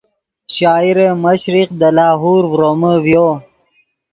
شاعر مشرق دے لاہور ڤرومے ڤیو